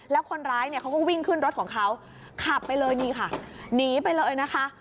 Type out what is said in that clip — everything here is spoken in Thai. แล้วคนร้ายเนี่ยเขาก็วิ่งขึ้นรถของเขาขับไปเลยนี่ค่ะหนีไปเลยนะคะ